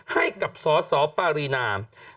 ให้กับสสปารีนาบุคคล์